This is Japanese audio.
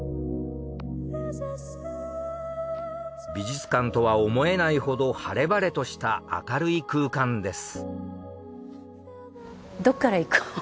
美術館とは思えないほど晴れ晴れとした明るい空間です。